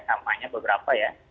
namanya beberapa ya